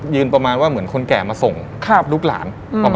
ยืนประมาณว่าเหมือนคนแก่มาส่งข้าบลูกหลาน